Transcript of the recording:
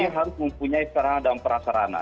dia harus mempunyai sarana dan prasarana